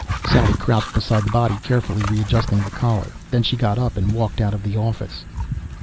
Sally crouched beside the body, carefully readjusting the collar. Then she got up and walked out of the office.